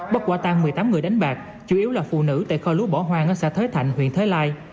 bắt quả tang một mươi tám người đánh bạc chủ yếu là phụ nữ tại kho lúa bỏ hoang ở xã thới thạnh huyện thới lai